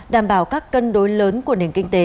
đảm bảo các cân đối lớn của nền kinh tế